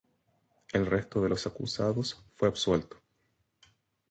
El resto de los acusados fue absuelto.